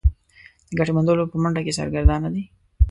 د ګټې موندلو په منډه کې سرګردانه دي.